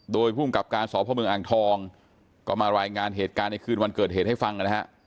โดยภูมิกับการสพเมืองอ่างทองก็มารายงานเหตุการณ์ในคืนวันเกิดเหตุให้ฟังนะฮะ